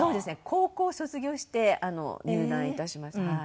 高校卒業して入団いたしました。